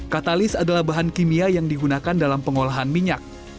katalis adalah bahan kimia yang digunakan dalam pengolahan minyak